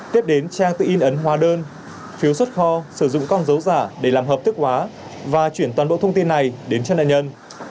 tiếp đến trang tự in ấn hóa đơn phiếu xuất kho sử dụng con dấu giả để làm hợp thức hóa và chuyển toàn bộ thông tin này đến cho nạn nhân